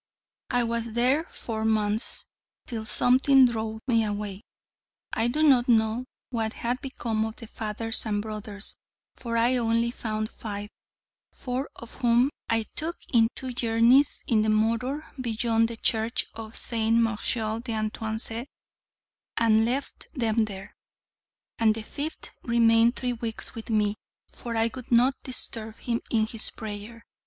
I was there four months, till something drove me away. I do not know what had become of the fathers and brothers, for I only found five, four of whom I took in two journeys in the motor beyond the church of Saint Martial d'Artenset, and left them there; and the fifth remained three weeks with me, for I would not disturb him in his prayer.